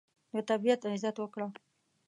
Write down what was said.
د طبیعت عزت وکړه.